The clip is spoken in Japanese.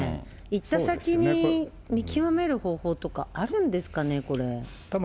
行った先に、見極める方法とかあるんですかね？